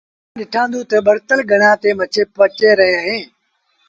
اُئآݩٚ ڏٺآندونٚ تا ٻرتل گڙآݩ تي مڇيٚنٚ پچيݩ رهينٚ اهينٚ